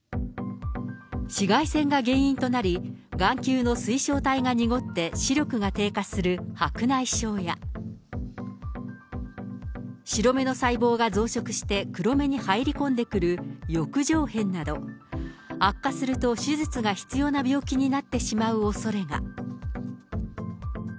紫外線が原因となり、眼球の水晶体が濁って視力が低下する白内障や、白目の細胞が増殖して黒目に入り込んでくる翼状片など、悪化すると手術が必要な病気になってしまうおそれが。